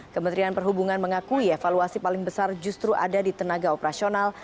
kementerian perhubungan mengakui evaluasi paling besar justru ada di tenaga operasional